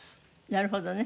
なるほどね。